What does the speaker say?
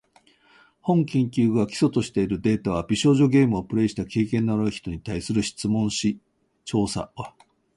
本研究が基礎としているデータは、美少女ゲームをプレイした経験のある人に対する質問紙調査およびインタビュー調査である。